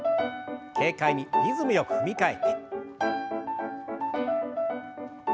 軽快にリズムよく踏み替えて。